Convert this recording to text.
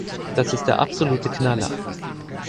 Das ist der absolute Knaller.